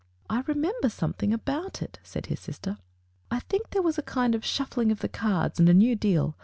"I remember something about it," said his sis ter. "I think there was a kind of shuffling of the cards and a new deal.